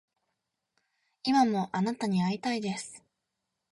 今もあなたに逢いたいです